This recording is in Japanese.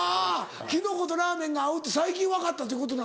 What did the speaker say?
キノコとラーメンが合うって最近分かったってことなのか。